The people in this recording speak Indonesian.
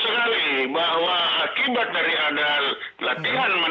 bahwa akibat dari ada latihan menembak di lapangan tembak pelurunya asar kesana kemari